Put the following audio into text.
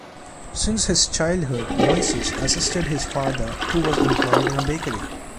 Since his childhood Moisis assisted his father who was employed in a bakery.